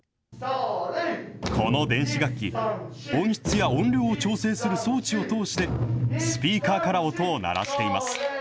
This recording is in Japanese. この電子楽器、音質や音量を調整する装置を通して、スピーカーから音を鳴らしています。